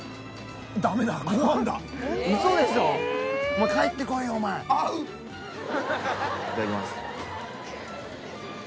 もう帰ってこいよお前いただきます